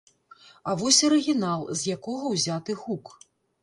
А вось арыгінал, з якога ўзяты гук.